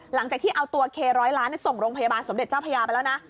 หลังจากที่เอาตัวเคร้อยล้านส่งโรงพยาบาลสมเด็จเจ้าพญาไปแล้วนะ